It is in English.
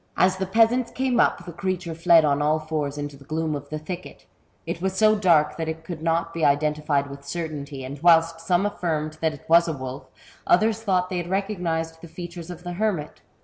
As the peasants came up, the creature fled on all fours into the gloom of the thicket ; it was so dark that it could not be identified with certainty, and whilst some affirmed that it was a wolf, others thought they had recognized the features of the hermit.